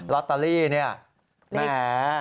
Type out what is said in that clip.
ลอตเตอรี่เนี่ยแหม